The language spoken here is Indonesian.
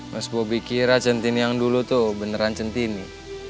mas bobi kira centini yang dulu tuh beneran centini